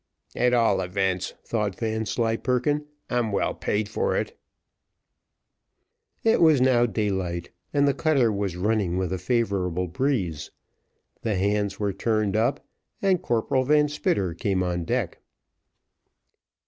"At all events," thought Vanslyperken, "I'm well paid for it." It was now daylight, and the cutter was running with a favourable breeze; the hands were turned up, and Corporal Van Spitter came on deck.